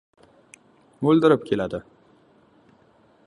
oldirib keladi.